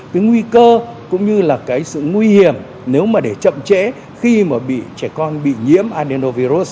cái nguy cơ cũng như là cái sự nguy hiểm nếu mà để chậm trễ khi mà trẻ con bị nhiễm adeno virus